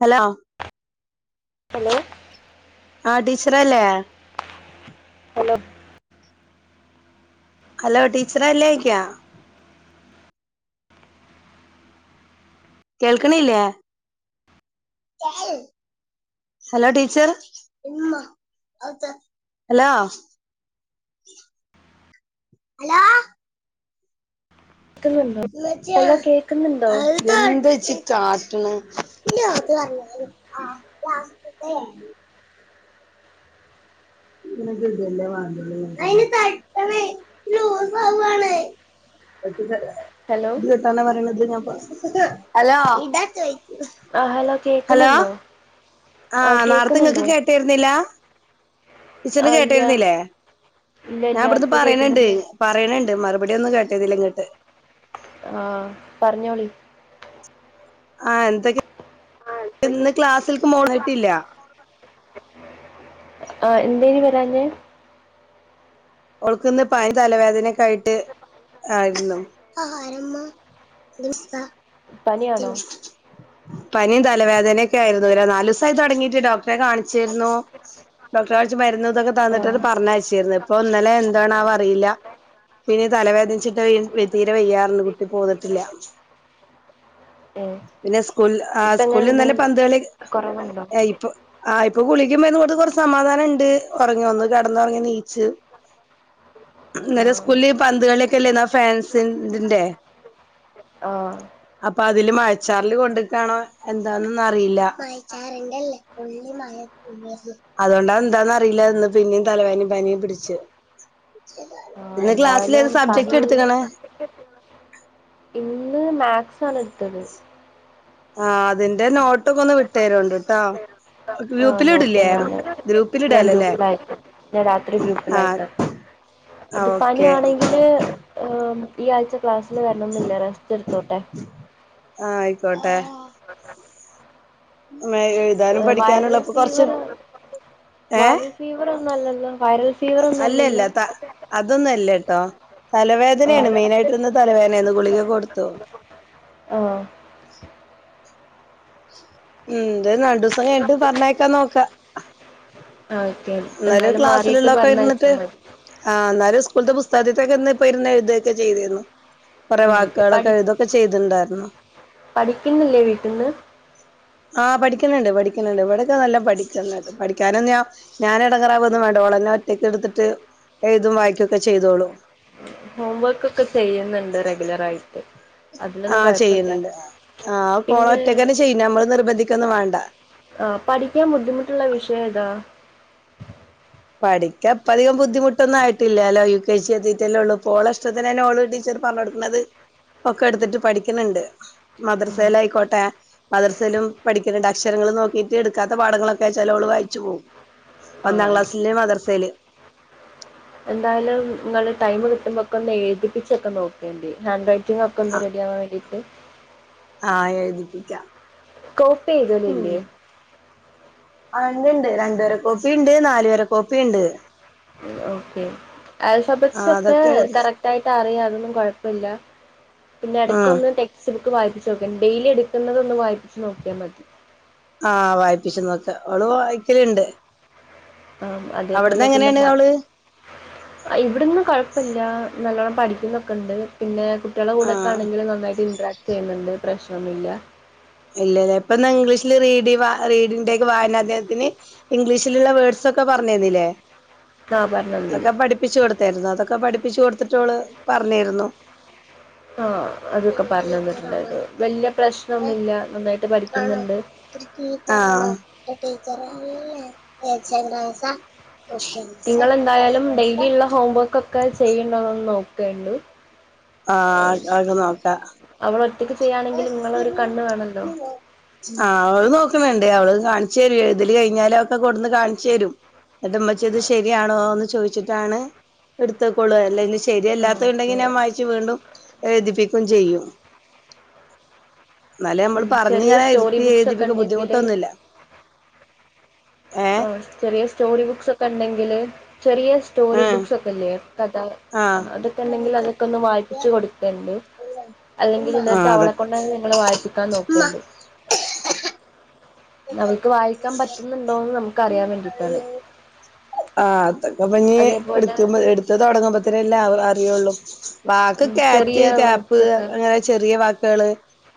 Hello? Hello? ആ ടീച്ചറല്ലേ? Hello. Hello ടീച്ചറല്ലേയ്ക്കാ? കേൾക്കണില്ലേ? Hello teacher hello? ക്കുന്നുണ്ടോ ഹലോ കേക്ക്‌ന്നുണ്ടോ? എന്താ ഇജ്ജ് കാട്ടണ് നിനക്ക് ഇതല്ലേ വേണ്ടുള്ളൂ ഹലോ ഇത് കേട്ടാണ് പറയണത് ഞാൻ ഹലോ? ആ ഹലോ കേക്കണ് ഹലോ ണ്ടോ? ആ നേറത്തെ ഇങ്ങക്ക് കേട്ടിരുന്നില്ല ആ ടീച്ചറിന് ഇല്ല കേട്ടിരുന്നില്ലേ ഇല്ല ഞാൻ ഇല്ല ഇവിടുന്ന് ഇപ്പൊ പറയണണ്ട് കേക്കുന്നുണ്ട് പറയണണ്ട് മറുപടിയൊന്നും കേട്ടിതിലങ്ങട്ട്. ആ പറഞ്ഞോളി. ആ എന്തക്കെ ഇന്ന് ക്ലാസിൽക്ക് മോളായിട്ടില്ല. ആ എന്തേന് വരാഞ്ഞെ? ഓൾക്കിന്നു പനിം തലവേദന യിട്ട് ആയിരുന്നു പനിയാണോ പനിം ത തല വേദനയൊക്കെ ആയിരുന്നു ഒരു നാല് ദിവസയി തൊടങ്ങിയിട്ട് ഡോക്ടറെ കാണിച്ചിരുന്നു ഡോക്ടറെ കാണിച്ച് മ ഇതൊക്കെ തന്നിട്ട് ആ പറഞ്ഞയച്ചിരുന്നു അ ഇന്നലെ എന്താണാവോ അറിയില്ല പിന്ന തലവേദനിച്ചി തീരെ വെയ്യാറുണ്ട് കുട്ടി പോന്നിട്ടില്ല ഏ പിന്നെ സ്കൂൾ ആ ഇപ്പ സ്കൂളിൽ എങ്ങനെണ്ട് ഇന്നലെ പന്തളി കൊറവുണ്ടോ എ ഇപ്പം ആ ഇപ്പം ഇപ്പൊ ഗുളികേം മരുന്നും കൊണ്ട് കൊറച്ച് സമാധാനണ്ട് ഉറങ്ങി ഒന്ന് കിടന്നുറങ്ങി നീച്ച് ആ ഇന്നലെ സ്കൂളില് പന്തുകളി ക്കല്ലയ്നോ ഫാൻസിന്റെ ആ അപ്പൊ അതില് മഴച്ചാറിൽ കൊണ്ടക്കണോ എന്താന്നൊന്ന അറിയില്ല അതുകൊണ്ടാ എന്താന്ന അറിയില്ലന്ന് പിന്നെയും തലവേനേം പനീം പിടിച്ച് ആ [inaudible] ഏത് എന്തായാലും പനി സബ്ജക്ട് എടുത്ത്ക്കണേ ന്ന് മാത്‍സ് ആണ് എടുത്തത് ആ അതിന്റെ നോട്ടൊക്കെ ഒന്ന് വിട്ടേരുണ്ട് ട്ടോ ആ നോട്ട് ഞാന് ഞാൻ ഗ്രൂപ്പിലിടാലോല്ലേ ഗ്രൂപ്പിലയക്കാം ഞാൻ രാത്രി ആഹ് ഗ്രൂപ്പിലയക്കാം അത് ആഹ് ഓക്കെ പനിയാണെങ്കില് ഏ ഈ ആഴ്ച്ച ക്ലാസ്സില് വരണൊന്നില്ല റെസ്റ്റ് എടുത്തോട്ടെ ആ ആയിക്കോട്ടെ [unintelligible] വൈരൽ പഠിക്കാനുള്ളപ്പൊ കൊറച്ച് ഫീവർ ഏഹ് വൈരൽ ഫീവർ നല്ലതാ വൈറൽ ഫീവറൊന്നും അല്ലല്ലോ ആ തലവേദനയാണ് ആഹ് മെയിനായിട്ടിരു തലവേദനന്ന് ഗുളിക കൊടുത്തോ ആ [inaudible] ഉം എന്തായാലും രണ്ടുസം കഴിഞ്ഞിട്ട് പറഞ്ഞേക്കാ നോക്കാ ആ അന്നേരം ക്ലാസ്സിലുള്ളൊക്കെ ഇരുന്നിട്ട് മതി ആ അന്നരം സ് കൂൾത്തെ പുസ്തകത്തിത്തൊക്കെ ഇന്ന് ഇപ്പരിന്നു എഴുതൊക്കെ ചെയ്തിരുന്നു കൊറെ ഉം പഠി വാക്കുകളൊക്കെ എഴുതൊക്കെ ചെയ്തിട്ണ്ടായിരുന്നു പഠിക്കുന്നില്ലേ വീട്ടിൽന്ന് ആ പഠിക്കുന്നുണ്ട് പഠിക്കുന്നുണ്ട് ഇവിടെക്കെ നല്ല പഠിക്കുന്നുണ്ട് പഠിക്കാന് ഞാ ഞാൻ എടങ്ങേറാവൊന്നും വേണ്ട ഓളെന്നെ ഒറ്റക്ക് എടുത്തിട്ട് എഴുതും വായിക്കൊക്കെ ചെയ്തോളും. ഹോം വർക്കൊക്കെ ചെയ്യുന്നുണ്ട് റെഗുലർ ആയിട്ട് ആഹ ചെയ്യുന്നുണ്ട് ആ കോളൊ പിന്നെ റ്റക്കന്നെ ചെയ്യ്ണ നമ്മള് നിർബന്ധിക്ക ക്കൊന്നും വേണ്ട ആ പഠിക്കാൻ ബുദ്ധിമുട്ടുള്ള വിഷയം ഏതാ പഠിക്കാ ഇപ്പ അധികം ബുദ്ധിമുട്ടൊന്നും ആയിട്ടില്ലല്ലോ യു കെ ജി എത്തിട്ടല്ലേ ഉള്ളു ഇപ്പോഓള ഇഷ്ടത്തിനന്നെ ഓള് ടീച്ചർ പറഞ്ഞ കൊടുക്കണുന്നത് ഒക്കെ എടുത്തിട്ട് പഠിക്കുന്നുണ്ട് മദ്രസേലായിക്കോട്ടെ മദ്രസേലും പഠിക്കുന്നുണ്ട് അക്ഷരങ്ങള്ൾ നോക്കിട്ട് ഇടുക്കാത്ത പാഠങ്ങളൊക്കെ ചെലോള് വായിച്ചു പോകും ഒന്നാം ആഹ് ക്ലാസ് ല് മദർസയില് എന്തായാലും നിങ്ങള് ടൈം കിട്ടുമ്പോക്കെന്ന് എഴുതിപ്പിച്ചൊക്കെ നോക്കേണ്ടി ഹാൻഡ്റൈ റ്റിങ്ങൊക്കൊന്ന് ആഹ് റെിഡിവാൻ വേണ്ടിട്ട് ആഹ് എഴുതിപ്പിക്കാം. കോപ്പി ചെയ്തതില്ലേ? ആഹ് ഇണ്ട് ഇണ്ട് രണ്ട് വര കോപ്പി ഇണ്ട്, നാലുവര കോപ്പിയുണ്ട്. ഓക്കെ ആൽഫബ്സൊക്കെ ഇത് കറക്റ്റായിട്ട് അറിയാ- ന്നും കൊഴപ്പല്ല പിന്നെ ഉം എടക്കൊന്ന് ടെക്സ്റ്റ്ബുക്ക്‌ ക്ക് വായിപ്പിച്ചോക്കേണ്ടി ഡെയിലി ഇട്ക്കുന്നതൊന്ന് വായിപ്പിച്ച് നോക്കിയാ മതി ആഹ് വായിപിച്ചു നോക്കാ ഓള് വായിക്കല്ണ്ട് ആഹ് അത്പോലെ പിന്നെ ഞാ ഇവിട്ന്നും കൊഴപ്പല്ല നല്ലോണം പഠിക്കുന്നൊക്കെ ഇണ്ട് പിന്നെ ആ കുട്ട്യാളകൂടെക്കെ ആണെങ്കില് നന്നായിട്ട് ഇൻട്രാക്‌റ്റെയ്യുന്നുണ്ട് പ്രശ്നമില്ല ഇല്ലലെ ഇപ്പന്നാ ഇംഗ്ലീഷില് റീഡിവ റീഡിന്റെ വായനദിനത്തിന് ഇംഗ്ലീഷിലുള്ള വേർഡ്സ് ഒക്കെ പറഞ്ഞെന്നിലേ ആ പറഞ്ഞ ഒന്നിന് അക്കെ പഠിപ്പിച്ച് കൊടുത്തായിരുന്നോ അതൊക്കെ പഠപ്പ് പഠിപ്പിച്ചു കൊടുത്തിട്ടോള് പറഞ്ഞയ്രുന്നു ആഹ് അതൊക്കെ പറഞ്ഞന്നിട്ട്ള്ളത് വല്ല്യ പ്രശ്നം നമില്ലാ ആണോ ആഹ് ടീച്ചറല്ലേ [unintelligible] നിങ്ങളെന്തായാലും ഡെയിലി ഇള്ള ഹോംവർക്ക് ഒക്കെ ചെയ്യ്ണ്ടാന്നേ. നോക്ക ക്കേണ്ടു ആഹ് ആക്കെ നോക്ക അവൾ ഒറ്റയ്ക്ക് ചെയ്യാണെങ്കിൽ നിങ്ങളെ ഒരു കണ്ണ് [unintelligible] വേണല്ലോ ആഹ് അത് നോക്കുന്നുണ്ട് അവളെ കാണിച്ചു തരും എഴുതിലെ കഴിഞ്ഞാല ഒക്കെ കൊടുന്നെ കാണിച്ചേരും ന്നട്ട്മ്മച്ചി ഇത് ശരിയാണോ ചോദിച്ചിട്ടാണ് എടുത്തകൊള്ളുല്ല ആഹ് ശരിയല്ലാത്ത ഉണ്ടെങ്കി ഓക്കെ ഞാൻ വായിച്ചു വീണ്ടും എഴുതിപ്പിക്കും ചെയ്യും എന്നാലേ ഉം ഞമ്മളെ പറഞ്ഞ് ചെറിയ സ്റ്റോറി ഇരുത്തി ബുക്സ് ഒക്കെ എഴുതിപ്പക്ക് ഉണ്ടെങ്കില് ബുദ്ധിമുട്ടൊന്നുല്ല ആഹ് ചെറിയ സ്റ്റോറി ബുക്സ് ഒക്കെ ഉണ്ടെങ്കില് ചെറിയ സ്റ്റോറി ഉം ബുക്സ് ഒക്കെല്ലേ കഥ ആഹ് അതൊക്കെ ഉണ്ടെങ്കിൽ അതൊക്കെ ഒന്ന് വായിപ്പിച്ച് കൊടുക്കണ്ട് അല്ലെങ്കിൽ ആഹ് ഇന്നത്തെ അവളെ അതൊക്കെ കൊൊണ്ട നിങ്ങൾ വായിപ്പിക്കാൻ നോക്കേണ്ടണ്ട് നമുക്ക് അറിയാൻ വേണ്ടിയിട്ടാണ് ആ അതൊക്കെപ്പഞ്ഞ് അതേപോലെ എടുക്ക്പ എടുത്ത് തുടങ്ങുമ്പത്തേല്ലേ അവ അറിയുള്ളു ഉ വാക്ക് ഉം ചെറിയ കാറ്റ് കാപ്പ് വേർഡ്സൊക്കെ അങ്ങനെ ചെറിയ വാക്കുകള്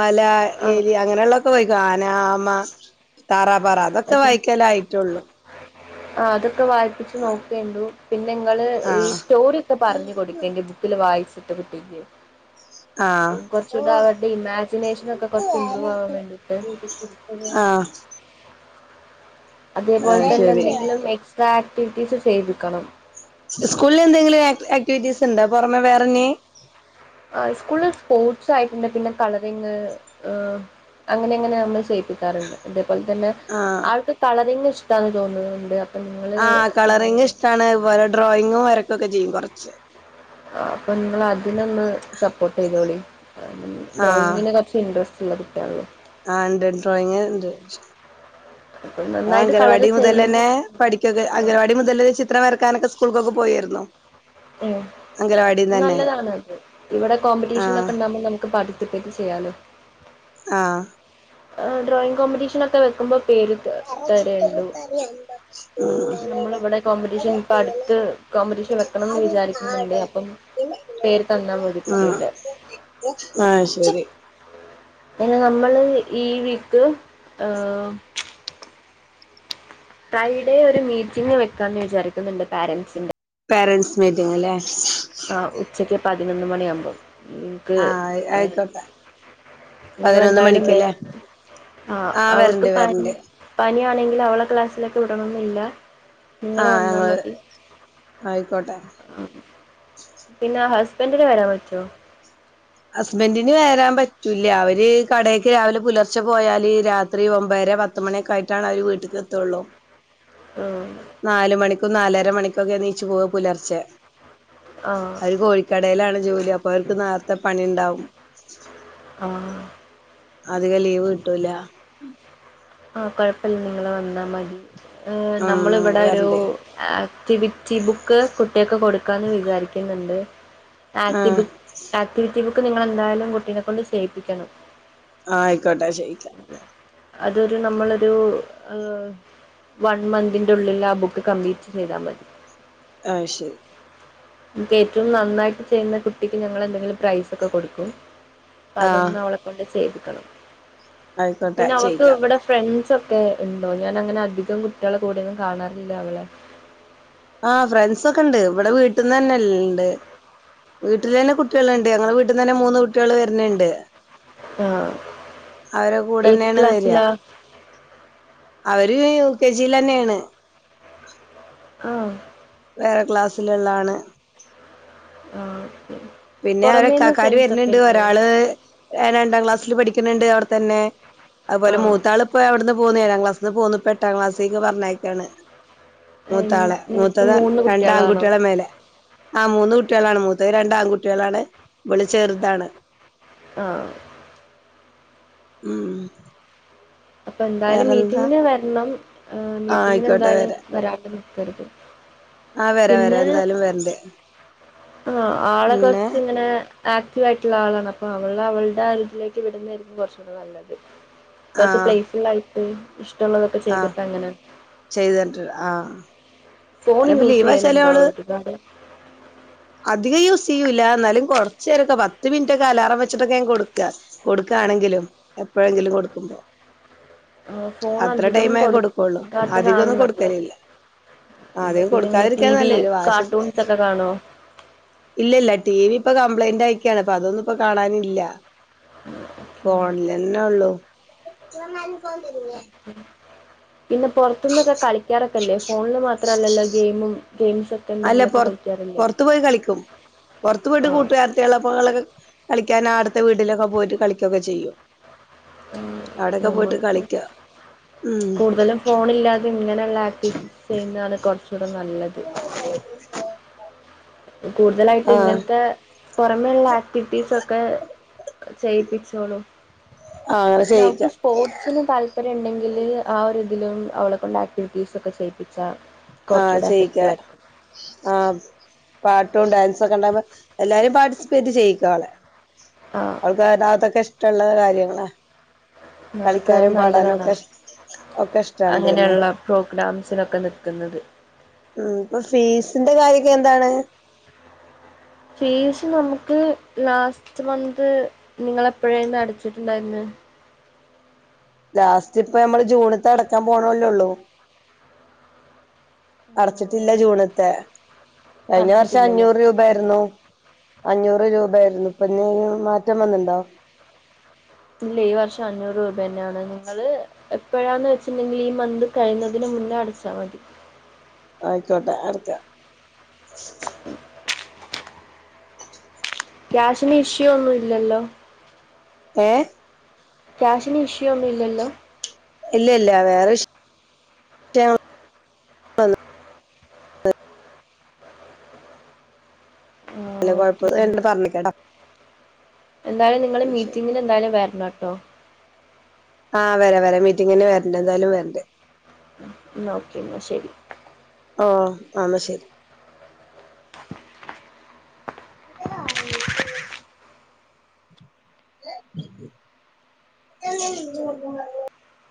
മല ആഹ് എല അങ്ങനെയുള്ളൊക്കെ പോയി ആന മ താറാപാറ അതൊക്കെ വായിക്കല ആായിട്ടുള്ളൂ ആ അത് ഒക്കെ വായിപ്പിച്ചച്ച് നോക്കണ്ടു പിന്നെ നിങ്ങള് ഈ ആഹ് സ്റ്റോറി ഒക്കെ പറഞ്ഞു കൊടുക്ക എന്റെ ജത്തിൽ വായി ചട്ടപിട്ടിക്കയോ ആഹ് കുറച്ചുകൂടെ അവരുടെ ഇമാജിനേഷന ഒക്കെ കൊറച്ച് ഇംമ്പ്രൂവ് ആവാൻ വേണ്ടിട്ട് ആഹ് അതേപോലെ ആഹ് തന്നെ ശരി എന്തെങ്കിലും എക്സാ ആക്ടിിവിറ്റീസ് ചെയ്തിരിക്കണം സ്കൂളിൽ എന്തെങ്കിലും ആക്ടിവിറ്റീസ് ഉണ്ടോ പുറമെ വേറെന്നെയ സ്കൂളിൽ സ്പോർട്സ് ആയിട്ടുണ്ട് പിന്നെ കളറിങ് അങ്ങനെ അങ്ങനെ നമ്മള് ചെയ്യിപ്പിക്കാറുണ്ട് ലെ തന്നെ ആഹ് ആ ത ഇഷ്ട തോന്നുന്നത്ണ്ട് ആ കളറിങ് ഇഷ്ടാണ് ഇപോലെ ഡ്രോയിങ്ങും വരക്കൊ ഒക്കെ ചെയ്യും കുറ പച്ചേ അപ്പൊ നിങ്ങ അതിനൊന്ന് സപ്പോർട്ട് ചെയ്തോളി ഡ്രോയിങ്ങിെ കുറച്ച് ഇൻട്രസ്റ്റ് സിക്കുള്ളൂ ആ ഉണ്ട് ഡ്രോയിങ് ഉണ്ട് അപ്പൊ ആ നന്നായിട്ട് കളറ് അംഗനവാടി മുതൽ ചെയ്യുന്ന തന്നെ പഠിക്കൊക്കെ അംഗവാടി മുതല ചിത്രം വരക്കാനൊക്കെ സ്കൂൾക്കൊക്കെ പോയിരുന്നു ോ നല്ലതാണ് അത് ഇവിടെ കോമ്പറ്റീഷൻ ആഹ് ഒക്കെ ഉണ്ടാവകുമ്പോൾ നമുക്ക് പഠ പ്പറ്റ് ചെയ്യാലോ ആഹ ഡ്രോയിങ് കോമ്പറ്റീഷൻ ഒക്കെ വെക്കുമ്പോ പേര് ആ തരേണ്ടു നമ്മളിവിടെ കോമ്പറ്റീഷൻ ഇപ്പ അടുത്ത് കോമ്പറ്റീഷൻ വെക്കണംന്ന് വിചാരിക്കുന്നുണ്ട് അപ്പം പേര് തന്നാൽ മതി കുട്ടീന്റെ ആഹ ശരി പിന്നെ നമ്മള് ഈ വീക്ക് ഏഹർ ഫ്രൈഡേ ഒരു മീറ്റിംഗ് വെക്കാന്ന് വിചാരിക്കുന്നുണ്ട് പാരൻറ്സിന്റെ പേരൻറ്സ് മീറ്റിംഗ അല്ലേ ആ ഉച്ചയ്ക്ക് പതിനൊന്ന് മണിയാകുമ്പം ക്ക് ആഹ് ആയിക്കോട്ടെ പതിനൊന്ന് നിങ്ങെന്തായാലും വര മണിക്കല്ലേ ആ അവൾക്ക് വരണ്ട് പ വരണ്ട് പന ആണെങ്കിൽ അവളെ ക്ലാസ്സിലൊക്കെ വിടണന്നില്ല ആഹ് ഞങ്ങള് ആയിക്കോട്ടെ പിന്നെ ഹസ് ഇപ്പ എന് വരാൻ പറ്റോ ഹസ്ബൻറിന് വരാൻ പറ്റൂല്ല അവര് കടക്ക് രാവിലെ പുലർച്ചെ പോയാല് രാത്രി ഒമ്പര പത്ത മണിയൊക്കെ ആയിട്ടാണ് അവര് വീട്ടക്ക് എത്തുകുള്ളൂ ആഹ് നാലര മണിക്കൊക്കെ നീച്ചു പോവ പുലർച്ചെ ആ അത് കോഴിക്കടയിലാണ് ജോലി അ പോ അത്തെ പണി ഉണ്ടാവും ആ അധിക ലീവ് കിട്ടൂല ആഹ കൊഴപ്പില്ല നിങ്ങള് വന്നാൽ മതി ഉം നമ്മൾ ഞങ്ങള് ഇവിടെ ഒരു വരണ്ട് ആക്ടിവിറ്റി ബുക്ക് കുട്ടികക്ക് കൊടുക്കാന്ന് വിചാരിക്കുന്നുണ്ട് ആ ആക്ടീവ് ആക്ടിവിറ്റി ബുക്ക് ക്ക് നിങ്ങളെന്തായാലും കുട്ടീെ കൊണ്ട് ചെയ്യിപ്പിക്കണം ആഹ ആയിക്കോട്ടെ ശയിക്കാം അതൊരു നമ്മളൊരു വൺ മന്തിൻ്റെ ഉള്ളിൽ ആ ബുക്ക് കംപ്ലീറ്റ് ചെയ്താൽ മതി ആഹ ശരി ഇത് ഏറ്റവും നന്നായിട്ട് ചെയ്യുന്ന കുട്ടിക്ക് ഞങ്ങ എന്തെങ്കിലും പ്രൈസ ഒക്കെ കൊടുക്കും അപ്പൊ ആ അതൊന്ന അവളെക്കൊണ്ട് ചെയ് ക [unintelligible] ആയിക്കോട്ടെ പിന്നെ അവക്ക് ചെയ്യിക്കാം ഇവിടെ ഫ്രണ്ട്സ് ഒക്കെ ഉണ്ടോ ഞാൻ അങ്ങനെ അധികം കുട്ടികളെ കൂടെന്നും കാണാറില്ല അവളെ ആഹ് ഫ്രണ്ട്സ ഒക്കെണ്ട് ഇവിടെ വീട്ടിൽന്ന് തന്നെല്ല ഇണ്ട് വീട്ടിൽ തന്നെ കുട്ടികൾുണ്ട് ഞങ്ങടെ വീട്ടിൽന്ന് തന്നെ മൂന്ന് കുട്ടികൾ വരുന്നണ്ട് ആഹ് കൂടെ ഏത് തന്നെയാണ് വരിക ക്ലാസ്സിലാ ഒരു യു കെ ജിൽ തന്നെയാണ് ആഹ് വേറെ ക്ലാസ്സിലള്ളതാണ് ആ പിന്നെ പുറമേന്ന് അവരെക്കാക്കാര് ഫ്രണ്ട്സ് ഒക്കെ വരുന്നുണ്ട് ഇല്ലേ ഒരാള് രണ്ടാം ക്ലാസ്സില് പഠിക്കുന്നുണ്ട് അവ തന്നെ അതുപോല ആ മൂത്താള ഇപ്പോ ഇവിടുന്ന് പോുന്ന്ഏഴാം ക്ലസ് അന്ന് പോുന്നു പെട്ട ക്ലാസ്സേക്ക് പറഞ്ഞേക്കാണ് മൂത്താളെ നിങ്ങക്ക് മൂത്തതാ മൂന്ന് രണ്ട കുട്ടികളാണോ ആൺകുട്ടികളെ മേലെ ആ മൂന്ന് കുട്ടികളാണ് മൂത് രണ്ട ആൺകുട്ടി കുട്ടികളാണ് വിളിച്ചെറുതാണ് ആഹ ഉം അപ്പൊ എന്തായാലും വേറെന്താ മീറ്റിങ്ങിന് വരണം ആ മീറ്റിങ്ങിന് ആയിക്കോട്ടെ എന്തായാലും വരാ ത്തരുത് ആഹ വരാ വരാ എന്തായാലും വരണ്ട് ആ ആളെ പിന്നെ കൊറച്ച് ഇങ്ങനെ ആക്റ്റീവ് ആയിട്ടുള്ള ആളാണ് അപ്പ അവൾ അവളുടെ ആതിലേക്ക് വിടുന്നതായിരിക്കും കുറച്ച് കൂടെ നല്ലത് കുറച്ചു പ്ലേസ്ഫുൽ ആയിഫ് ഏ ഷ് എ ആഹ് ചെയ്തരണ്ട് ആഹ് ഫോൺ യൂസ് ചെയ്യലുണ്ടാവും [unintelligible] അധികം യൂസ് ചെയ്യൂല്ല എന്നാലും കുറച്ചു നേരൊക്കെ പത്ത് മിനിറ്റൊക്കെ അലാറം വെച്ചിട്ടൊക്കെ ഞാൻ കൊടുക്ക കൊടുക്കുകയാണെങ്കിലും എപ്പോഴെങ്കിലും കൊടുക്കുമ്പോ ആ ഫോൺ അത്ര അധികം ടൈമേ കൊടുക്കുള്ളൂ അധികം കൊടുക്കാത്തതാണ് ഒന്നും നല്ലത് കൊടുക്കലില്ല അധികം പിന്നെ ഇങ്ങനെ ടി കൊടുക്കാതിരിക്കാൻ വി നല്ല ഒരു വാശി കാർട്ടൂൺസ് ഒക്കെ കാണോ? ഇല്ല ഇല്ല ടി വി ഇപ്പൊ കംപ്ലൈന്റ് ആയിക്കാണ് അപ്പൊ അതൊന്നും ഇപ്പൊ കാണാനില്ല ഫോണിലെന്നെ ഉള്ളു ന [unintelligible] ഉ ഉ [unintelligible] പിന്നെ പുറത്തന്നൊക്കെ കളിക്കാറൊക്കല്ലേ ഫോണില് മാത്രല്ലല്ലോ ഗെയിമും. ഗെയിംസ് ഒക്കെ അല്ലറ എന്തെങ്കിലുമൊക്കെ കളിക്കാറില്ലേ പുറത്തു പോയി കളിക്കും പുറത്തു പോയിട്ട് ആഹ് കൂട്ടുകാർത്തുള്ളപ്പങ്ങളൊക്കെ കളിക്കും കളിക്കാൻ അടുത്തെ വീട്ടിലൊക്കെ പോയിട്ട് കളിക്കുകയൊക്കെ ചെയ്യും. അവിടൊക്കെ പോയിട്ട് നമ്മക്കി കളിക്ക ഉം കൂടുതലും ഫോണില്ലാതെ ഇങ്ങനെയുള്ള ആക്ടിവിറ്റീസ് ചെയ്യുന്നതാണ് കുറച്ചുകൂടെ നല്ലത് [unintelligible] കൂടുതലായിട്ട് ആഹ് ഇങ്ങനത്തെ പുറമേള്ള ആക്ടിവിറ്റീസ് ഒക്കെ ചെയ്യിപ്പ ചളൂ ആഹ് അങ്ങനെ നമുക്ക് ചെയ്യിക്ക സ്പോർട്സിന് താല്പര്യം ഉണ്ടെങ്കില് ആ ഒരു എതിലും അവളെ കൊൊണ്ട് ആക്ടിവിറ്റീസ് ഒക്കെ ചെയ്യിപ്പിച്ച ആഹ ചെയക്ക ആഹ് പാട്ടും ഡാൻസ ഒക്കെ ഉണ്ടാവുമ്പോ എല്ലാരും പാർട്ടിസിപ്പേറ്റ് ചെയ്യിക്കളെ. ആഹ് അൾക്ക ന തക്കേഷ ഷ്ട്ടള്ളത കാര്യങ്ങളാ. മോൾക്ക് കളിക്കാനും പാടാനും നല്ലതാണ് ഒക്കെ ഒക്കെ ഇഷ്ടാണ് പിന്നെ അങ്ങനെയുള്ള പ്രോഗ്രാംസിനൊക്കെ നിക്ക് ഉം ഇപ്പൊ ഫീസിന്റെ കാര്യൊക്കെ എന്താണ് [unintelligible] ഫീസ് നമുക്ക് ലാസ്റ്റ് മന്ത് നിങ്ങള് എപ്പോഴന്ന് അടച്ചിട്ടുണ്ടായിന്ന് ലാസ്റ്റ് ഇപ്പ നമ്മള് ജൂണത്ത് അടക്കാൻ പോണല്ലോള്ളു അടച്ചിട്ടില്ല ജൂണ്ത്തെ കഴിഞ്ഞ വർഷം അടച്ചിട്ടില്ലല്ലേ അഞ്ഞൂറ് രൂപായിരുന്നു അഞ്ഞൂറ് രൂപ ആയിരുന്നു ഇപ്പൊഞ്ഞ മാറ്റം വന്നണ്ടോ ഇല്ല ഈ വർഷം അഞ്ഞൂറ് രൂപ തന്നെയാണ് നിങ്ങള് എപ്പോഴാന്ന് വെച്ചിണ്ടെങ്കിൽ ഈ മന്ത് കഴിയഞ്ഞതിന് മുന്നേ അടച്ചാൽ മതി ആയിക്കോട്ടെ ആർക്ക [inaudible] ക്യാഷിന് ഇഷ്യൂ ഒന്നും ഇല്ലല്ലോ ഏ ക്യാഷിന് ഇഷ്യൂ ഒന്നും ഇല്ലല്ലോ ഇല്ല ഇല്ല വേറെ ആ കൊഴപ്പം ഓകെ പറഞ്ഞിക്കട്ടോ എന്തായാലും നിങ്ങള് മീറ്റിങ്ങിൽ എന്തായാലും വരണം കേട്ടോ കുട്ടോ ആഹ് വരാ വരാ മീറ്റിംഗിന് തന്നെ വരണ്ട എന്തായാലും വരണ്ടേ എന്ന ഓക്കെ ശരി ആന്ന ശരി [unintelligible] [unintelligible]